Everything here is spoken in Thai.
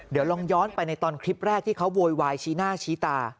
เดี๋ยวลองย้อนไปในตอนคลิปแรกที่เขาโวยวายชี้หน้าชี้ตา